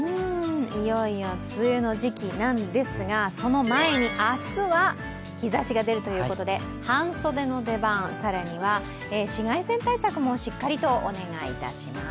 いよいよ梅雨の時期なんですが、その前に明日は日差しがでるということで半袖の出番、更には紫外線対策もしっかりとお願いします。